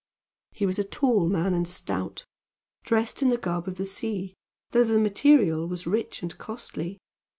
He was a man tall and stout, dressed in the garb of the sea, though the material was rich and costly.